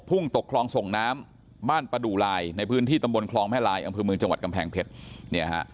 พุ่งตกคลองส่งน้ำบ้านประดุลายในพื้นที่ตำบลคลองแม่ลายองค์พื้นมือจังหวัดกำแพงเพชร